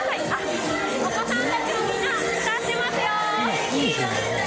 お子さんたちもみんな、踊っていますよ。